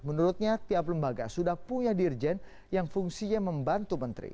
menurutnya tiap lembaga sudah punya dirjen yang fungsinya membantu menteri